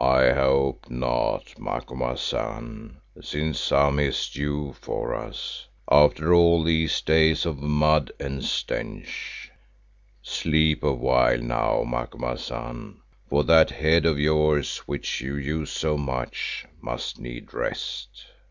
"I hope not, Macumazahn, since some is due for us, after all these days of mud and stench. Sleep a while now, Macumazahn, for that head of yours which you use so much, must need rest.